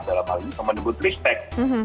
dalam hal ini pemenuh butristek